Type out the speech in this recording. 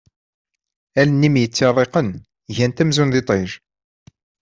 Allen-im yettirriqen gant amzun d iṭij.